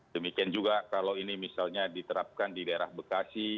demikian juga kalau ini misalnya diterapkan di daerah bekasi